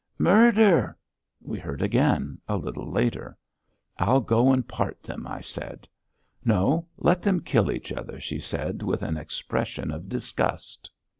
"Mur der!" we heard again, a little later. "I'll go and part them," I said. "No. Let them kill each other," she said with an expression of disgust.